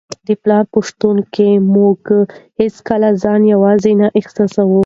د پلار په شتون کي موږ هیڅکله ځان یوازې نه احساسوو.